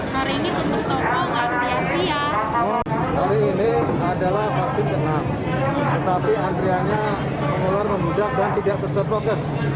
hari ini adalah vaksin ke enam tetapi antrianya mengeluar memudah dan tidak sesuai progres